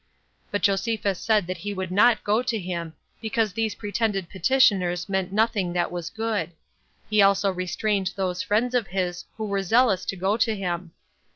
But Josephus said that he would not go to him, because these pretended petitioners meant nothing that was good; he also restrained those friends of his who were zealous to go to him.